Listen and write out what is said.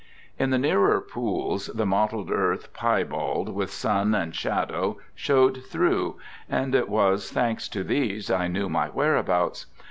In the nearer pools, the mottled earth, pie bald with sun and shadow, showed through; and it was thanks to these I knew my whereabouts.